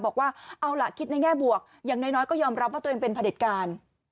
บอกว่าเอาล่ะคิดในแง่บวกอย่างน้อยก็ยอมรับว่าตัวเองเป็นผลิตการ